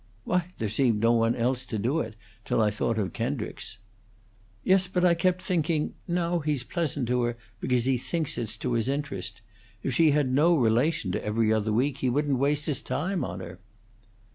"Why, there seemed no one else to do it, till I thought of Kendricks." "Yes, but I kept thinking, Now he's pleasant to her because he thinks it's to his interest. If she had no relation to 'Every Other Week,' he wouldn't waste his time on her."